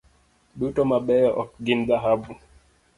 Duto mabeyo ok gin dhahabu.